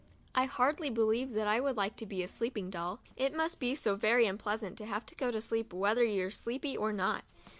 I hardly believe that I would like to be a sleeping doll — it must be so very unpleasant to have to go to sleep whether you're sleepy or not.